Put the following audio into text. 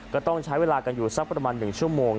ก็ต้องใช้เวลากันอยู่สักประมาณ๑ชั่วโมง